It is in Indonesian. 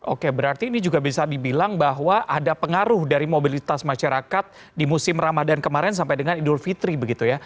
oke berarti ini juga bisa dibilang bahwa ada pengaruh dari mobilitas masyarakat di musim ramadhan kemarin sampai dengan idul fitri begitu ya